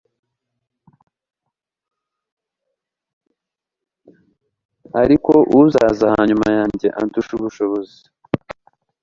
ariko uzaza hanyuma yanjye andusha ubushobozi